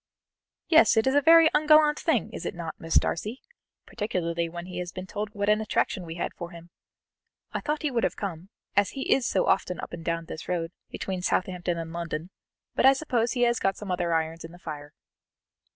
"Yes, it is a very ungallant thing, is it not, Miss Darcy? particularly when he has been told what an attraction we had for him. I thought he would have come, as he is so often up and down this road, between Southampton and London, but I suppose he has got some other irons in the fire."